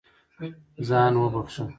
ځان وبښه.